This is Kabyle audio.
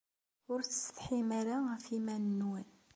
Ur tessetḥim ara ɣef yiman-nwen?